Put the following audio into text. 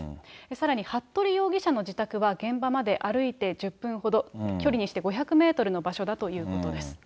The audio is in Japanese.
さらに服部容疑者の自宅は、現場まで歩いて１０分ほど、距離にして５００メートルの場所だということです。